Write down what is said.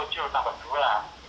ini ya pak full